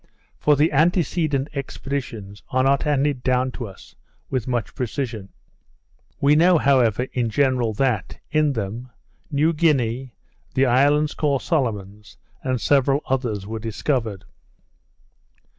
For the antecedent expeditions are not handed down to us with much precision. We know, however, in general, that, in them, New Guinea, the islands called Solomon's, and several others, were discovered.